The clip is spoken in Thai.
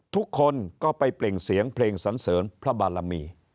ทุกคนก็ไปเปล่งเสียงเพลงสันเสริญพระบารมี